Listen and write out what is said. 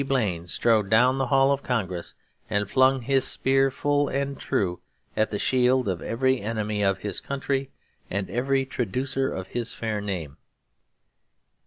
Blaine strode down the hall of Congress, and flung his spear full and true at the shield of every enemy of his country and every traducer of his fair name.'